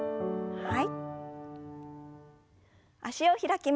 はい。